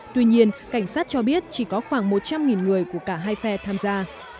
tuy nhiên cảnh sát cho biết chỉ có khoảng một trăm linh người của cả hai phe tham gia